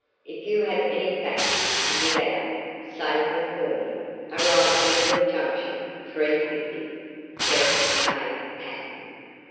If you have any facts to give out, save them for me. Arrive Lambert Junction three fifty. "TERENCE K. PATTEN."